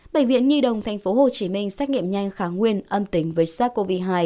bệnh viện nhi đồng tp hcm xét nghiệm nhanh khá nguyên âm tính với sars cov hai